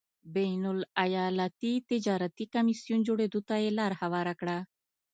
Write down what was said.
بین الایالتي تجارتي کمېسیون جوړېدو ته یې لار هواره کړه.